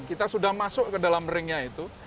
kita sudah masuk ke dalam ringnya itu